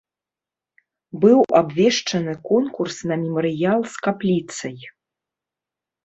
Быў абвешчаны конкурс на мемарыял з капліцай.